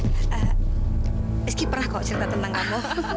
eski pernah kok cerita tentang kamu